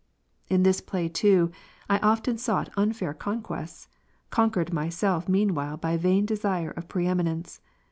In this play, too, I often sought unfair conquests, conquered myself meanwhile by vain desire of preeminence.